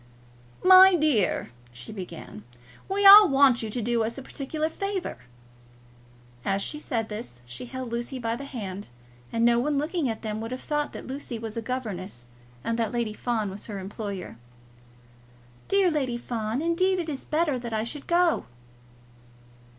"My dear," she began, "we all want you to do us a particular favour." As she said this, she held Lucy by the hand, and no one looking at them would have thought that Lucy was a governess and that Lady Fawn was her employer. "Dear Lady Fawn, indeed it is better that I should go."